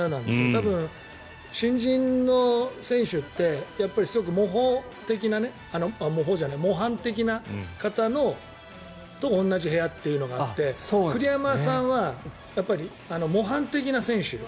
多分、新人の選手ってすごく模範的な方と同じ部屋というのがあって栗山さんは模範的な選手。